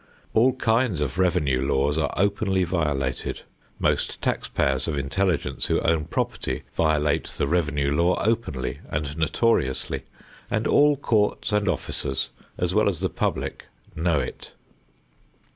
All kinds of revenue laws are openly violated. Most tax payers of intelligence who own property violate the revenue law openly and notoriously, and all courts and officers as well as the public know it.